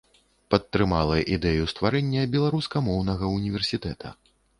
Падтрымала ідэю стварэння беларускамоўнага ўніверсітэта.